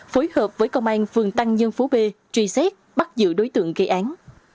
phối hợp với công an phường tăng nhân phú b truy xét bắt giữ đối tượng gây án